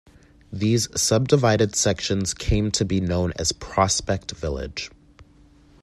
These subdivided sections came to be known as Prospect Village.